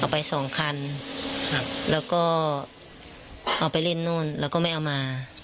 ไปสองคันครับแล้วก็เอาไปเล่นนู่นแล้วก็ไม่เอามา